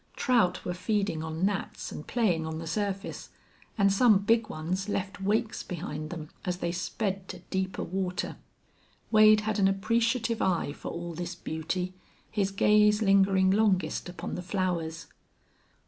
Trout were feeding on gnats and playing on the surface, and some big ones left wakes behind them as they sped to deeper water. Wade had an appreciative eye for all this beauty, his gaze lingering longest upon the flowers.